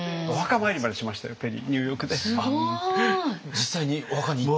実際にお墓に行って。